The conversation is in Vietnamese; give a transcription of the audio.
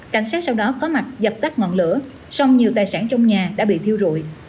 cảnh sát sau đó có mặt dập tắt ngọn lửa song nhiều tài sản trong nhà đã bị thiêu rụi